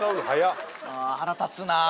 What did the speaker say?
腹立つなぁ。